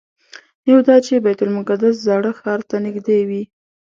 یو دا چې بیت المقدس زاړه ښار ته نږدې وي.